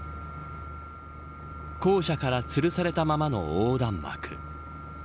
校舎からつるされたままの横断幕。